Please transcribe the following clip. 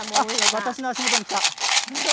私の足元に来た。